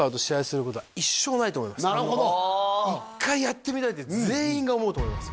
野球やってる人はって全員が思うと思います